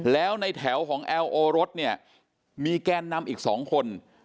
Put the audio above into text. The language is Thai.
แล้วในแถวของแอลโอรสเนี่ยมีแกนนำอีก๒คน